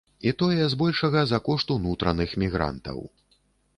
І тое збольшага за кошт унутраных мігрантаў.